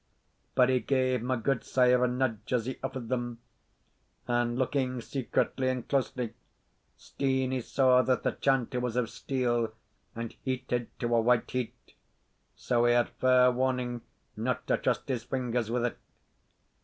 But he gave my gudesire a nudge as he offered them; and looking secretly and closely, Steenie saw that the chanter was of steel, and heated to a white heat; so he had fair warning not to trust his fingers with it.